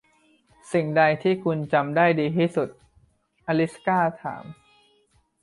'สิ่งใดที่คุณจำได้ดีที่สุด ?' อลิซกล้าถาม